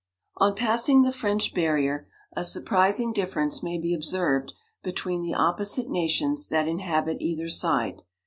On passing the French barrier, a sur prising difference may be observed be tween the opposite nations that inhabit either side.